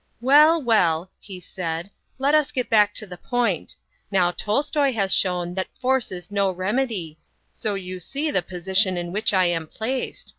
"Well, well," he said, "let us get back to the point. Now Tolstoy has shown that force is no remedy; so you see the position in which I am placed.